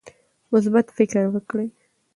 مثبت فکر وکړئ.